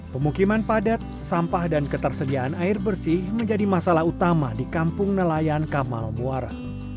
pemukiman padat sampah dan ketersediaan air bersih menjadi masalah utama di kampung nelayan kamal muara